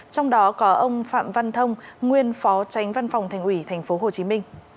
trong đó có ông phạm văn thông nguyên phó tránh văn phòng thành ủy tp hcm